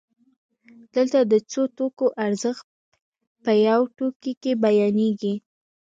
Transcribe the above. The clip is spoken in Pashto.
دلته د څو توکو ارزښت په یو توکي کې بیانېږي